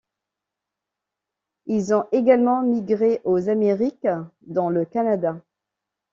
Ils ont également migré aux Amériques, dont le Canada.